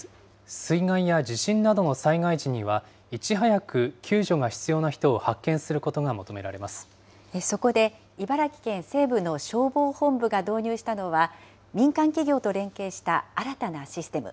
水害や地震などの災害時には、いち早く救助が必要な人を発見するそこで、茨城県西部の消防本部が導入したのは、民間企業と連携した新たなシステム。